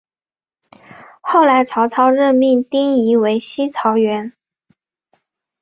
后来曹操任命丁仪为西曹掾。